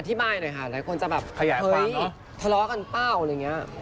หน่อยค่ะหลายคนจะแบบเฮ้ยทะเลาะกันเปล่าอะไรอย่างนี้